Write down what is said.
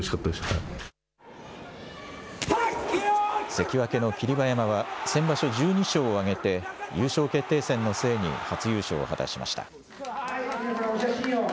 関脇の霧馬山は、先場所、１２勝を挙げて優勝決定戦の末に初優勝を果たしました。